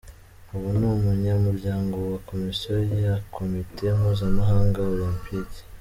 Ubu ni umunyamuryango wa komisiyo ya komite mpuzamahanga Olempike.